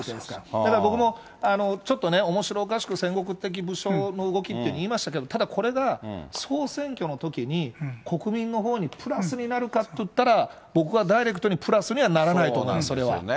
だから僕も、ちょっとね、おもしろおかしく戦国的武将の動きって言いましたけど、ただこれが、総選挙のときに、国民のほうにプラスになるかっていったら、僕はダイレクトにプラスにはならないそうなんですよね。